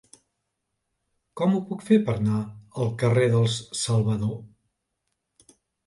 Com ho puc fer per anar al carrer dels Salvador?